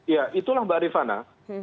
ya itulah mbak arifana